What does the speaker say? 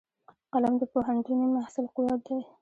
قلم د پوهنتوني محصل قوت دی